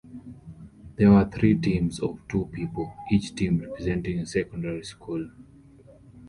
There were three teams of two people, each team representing a secondary school.